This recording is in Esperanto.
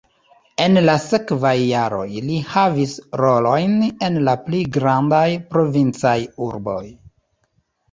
En la sekvaj jaroj li havis rolojn en la pli grandaj provincaj urboj.